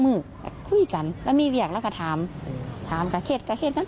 มือคุยกันแล้วมีเวียงแล้วก็ถามถามก็เข็ดก็เข็ดกัน